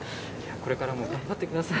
これからも頑張ってください。